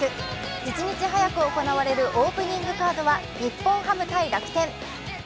１日早く行われるオープニングカードは日本ハム対楽天。